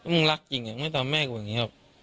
มึงรักจริงไม่ต้องแม่กูแบบนี้หรอก